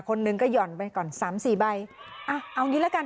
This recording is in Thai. คนหนึ่งก็ห่อนไปก่อนสามสี่ใบอ่ะเอางี้ละกัน